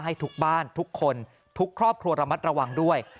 ให้ทุกบ้านทุกคนทุกครอบครัวระมัดระวังด้วย